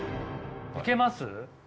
いけます？